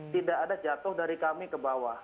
tidak ada jatuh dari kami ke bawah